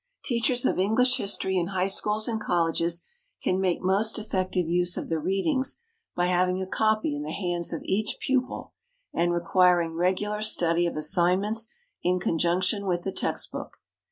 Teachers of English history in high schools and colleges can make most effective use of the "Readings" by having a copy in the hands of each pupil and requiring regular study of assignments in conjunction with the text book.